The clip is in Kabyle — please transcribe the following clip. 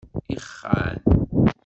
Ixxan.